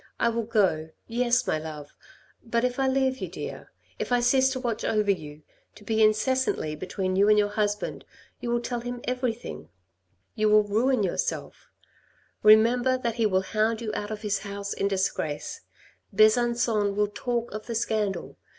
I will go — yes, my love ! But if I leave you, dear ; if I cease to watch over you, to be incessantly between you and your husband, you will tell him everything. You i2o THE RED AND THE BLACK will ruin yourself. Remember that he will hound you out of his house in disgrace. Besancon will talk of the scandal.